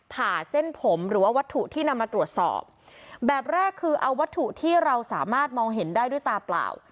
ผ่าเส้นผมหรือว่าวัตถุที่นำมาตรวจสอบแบบแรกคือเอาวัตถุที่เราสามารถมองเห็นได้ด้วยตาเปล่า